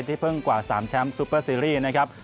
เพิ่งกว่า๓แชมป์ซูเปอร์ซีรีส์นะครับ